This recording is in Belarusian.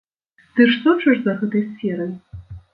Ты ж сочыш за гэтай сферай?